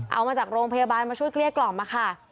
เอามาจากโรงพยาบาลมาช่วยเกลี้ยกล่อมค่ะ